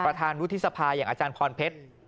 ประธานวุฒิสภาอย่างอาจารย์พรเพชร